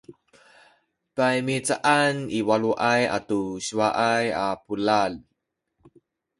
paymihcaan i waluay atu siwaay a bulad